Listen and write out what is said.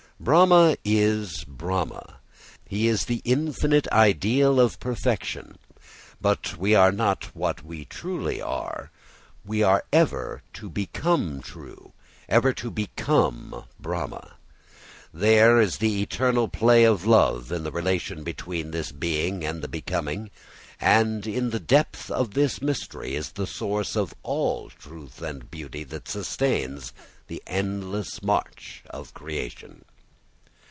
Brahma is Brahma, he is the infinite ideal of perfection. But we are not what we truly are; we are ever to become true, ever to become Brahma. There is the eternal play of love in the relation between this being and the becoming; and in the depth of this mystery is the source of all truth and beauty that sustains the endless march of creation.